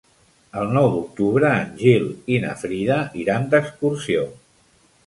El nou d'octubre en Gil i na Frida iran d'excursió.